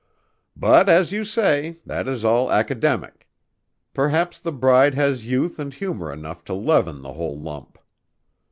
"But, as you say, that is all academic. Perhaps the bride has youth and humor enough to leaven the whole lump."